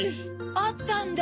あったんだ！